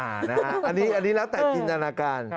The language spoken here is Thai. อันนี้อันนี้แล้วแต่กินตนาการ